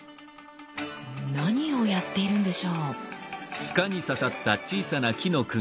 何をやっているんでしょう？